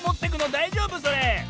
だいじょうぶそれ？